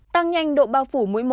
tăng nhanh độ bao phủ mũi một